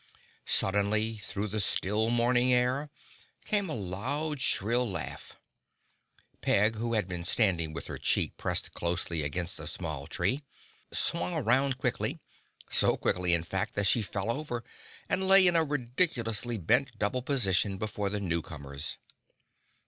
Suddenly, through the still morning air, came a loud, shrill laugh. Peg, who had been standing with her cheek pressed closely against a small tree, swung around quickly—so quickly in fact that she fell over and lay in a ridiculously bent double position before the new comers.